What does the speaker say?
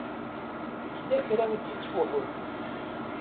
Yella kra i d-yettfuḥun.